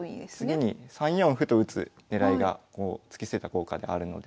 次に３四歩と打つ狙いが突き捨てた効果であるので。